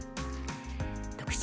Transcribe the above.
特集